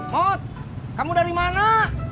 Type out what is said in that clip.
mot kamu dari mana